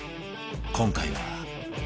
今回は